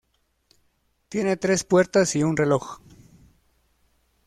Tiene tres puertas y un reloj.